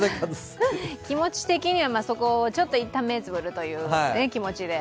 気持ち的にはそこをいったん目をつむるという気持ちで。